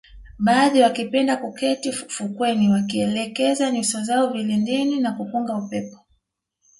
Baadhi wakipenda kuketi fukweni wakielekeza nyuso zao vilindini na kupunga upepo